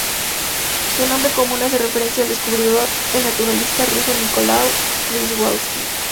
Su nombre común hace referencia a su descubridor, el naturalista ruso Nikolái Przewalski.